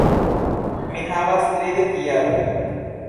Mi havas tridek jarojn.